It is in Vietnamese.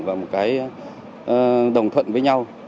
và một cái đồng thuận với nhau